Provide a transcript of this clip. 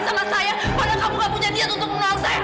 padahal kamu tidak punya niat untuk menolong saya